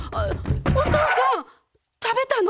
おとうさん食べたの？